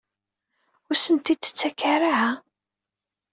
Ur asent-tt-id-tettak ara?